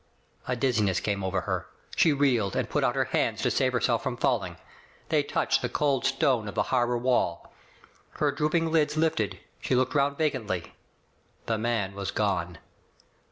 A dizziness came over her ; she reeled, and put out her hands to save herself from falling. They touched the cold stone of the harbor wall. Her drooping lids lifted, she looked round vacantly. The man was gone.